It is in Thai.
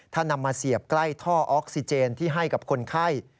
ถ้านำมาเสียบใกล้ท่อออกซิเจนที่ให้กับคนไข้